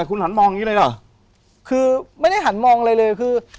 ก็เกียรติยก